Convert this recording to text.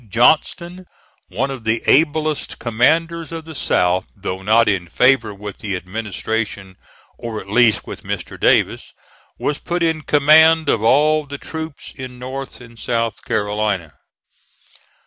Johnston, one of the ablest commanders of the South though not in favor with the administration (or at least with Mr. Davis), was put in command of all the troops in North and South Carolina.